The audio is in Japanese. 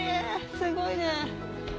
すごいね！